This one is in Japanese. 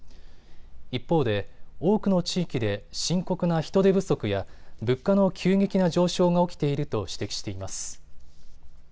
一方で多くの地域で深刻な人手不足や物価の急激な上昇が起きていると指摘しています。